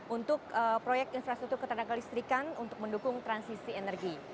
untuk proyek infrastruktur ketenaga listrikan untuk mendukung transisi energi